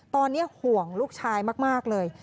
ตอนนี้ห่วงลูกชายมากเลย